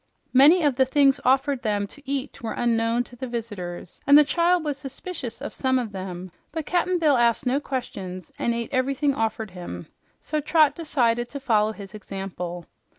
Many of the things offered them to eat were unknown to the visitors, and the child was suspicious of some of them, but Cap'n Bill asked no questions and ate everything offered him, so Trot decided to follow his example.